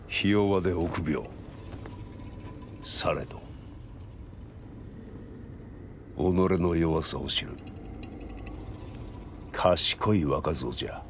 されど己の弱さを知る賢い若造じゃ。